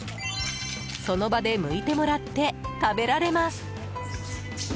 その場で、むいてもらって食べられます。